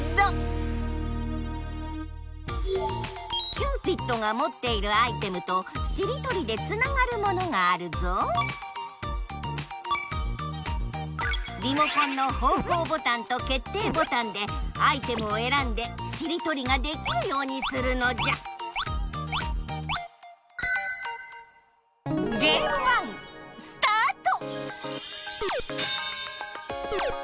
キューピッドがもっているアイテムとしりとりでつながるものがあるぞリモコンの方向ボタンと決定ボタンでアイテムをえらんでしりとりができるようにするのじゃスタート！